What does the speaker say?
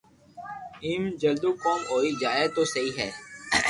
ايم جلدو ڪوم ھوئي جائين تو سھي ھي